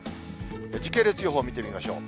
時系列予報、見てみましょう。